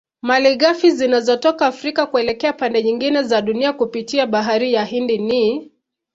Malighafi zinazotoka Afrika kuelekea pande nyingine za Dunia kupitia bahari ya Hindi ni